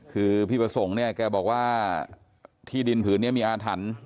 คือพี่ประสงค์เนี่ยแกบอกว่าที่ดินผืนนี้มีอาถรรพ์